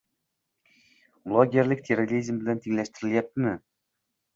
Blogerlik terrorizm bilan tenglashtirilyaptimi?»